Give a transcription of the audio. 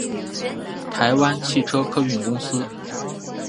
台湾汽车客运公司